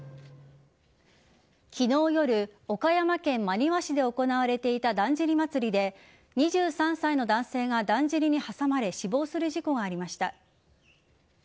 昨日夜、岡山県真庭市で行われていた、だんじり祭で２３歳の男性がだんじりに挟まれ死亡する事故がありました。